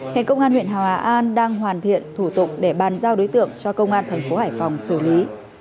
hiện công an huyện hòa an đang hoàn thiện thủ tục để bàn giao đối tượng cho công an thành phố hải phòng xử lý